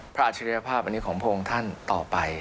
พระอัชรีภาพอันนี้ของพวกองท่านต่อไป